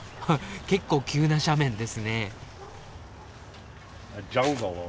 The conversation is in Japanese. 結構急な斜面ですね。